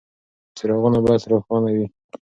څراغونه باید روښانه وي.